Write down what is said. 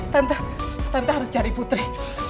tante tante harus cari putri